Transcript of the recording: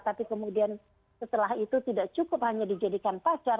tapi kemudian setelah itu tidak cukup hanya dijadikan pacar